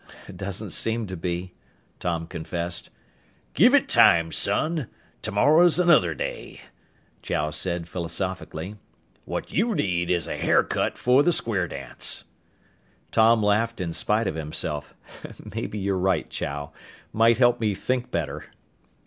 "Doesn't seem to be," Tom confessed. "Give it time, son. Tomorrow's another day," Chow said philosophically. "What you need is a haircut for the square dance." Tom laughed in spite of himself. "Maybe you're right, Chow. Might help me think better."